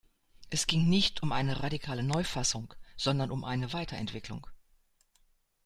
Es ging nicht um eine radikale Neufassung, sondern um eine Weiterentwicklung.